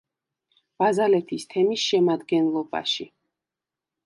ბაზალეთის თემის შემადგენლობაში.